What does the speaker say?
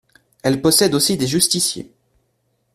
Elle possède aussi des justiciers.